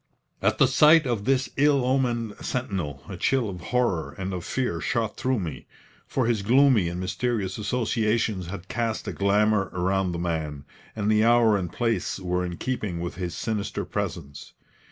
At the sight of this ill omened sentinel, a chill of horror and of fear shot through me, for his gloomy and mysterious associations had cast a glamour round the man, and the hour and place were in keeping with his sinister presence.